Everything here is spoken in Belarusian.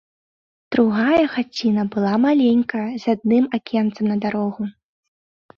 Другая хаціна была маленькая, з адным акенцам на дарогу.